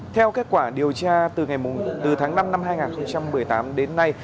theo kết quả điều tra từ tháng năm năm hai nghìn một mươi tám đến nay